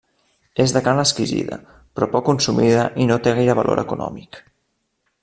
És de carn exquisida, però poc consumida i no té gaire valor econòmic.